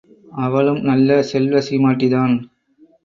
அவளும் நல்ல செல்வச் சீமாட்டிதான்.